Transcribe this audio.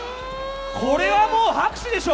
これはもう拍手でしょ！